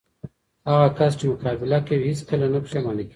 هغه کس چې مقابله کوي، هیڅ کله نه پښېمانه کېږي.